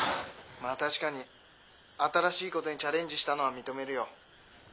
まあ確かに新しいことにチャレンジしたのは認めるよ。